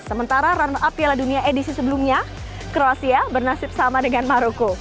sementara run up piala dunia edisi sebelumnya kroasia bernasib sama dengan maroko